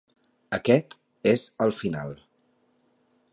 Aquest és el final.